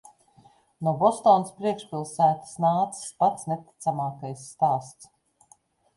No Bostonas priekšpilsētas nācis pats neticamākais stāsts.